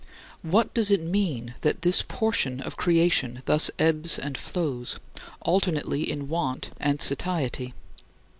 What does it mean that this portion of creation thus ebbs and flows, alternately in want and satiety?